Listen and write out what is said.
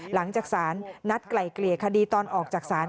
หลังจากสารนัดไกล่เกลี่ยคดีตอนออกจากศาล